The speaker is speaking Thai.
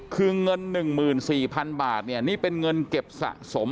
คือเงิน๑๔๐๐๐บาทเนี่ยนี่เป็นเงินเก็บสะสม